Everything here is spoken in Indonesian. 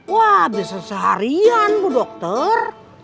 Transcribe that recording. wah bisa seharian bu dokter